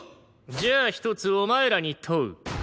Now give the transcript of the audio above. じゃあ一つお前らに問う。